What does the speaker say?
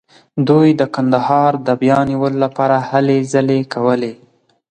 دوی د کندهار د بیا نیولو لپاره هلې ځلې کولې.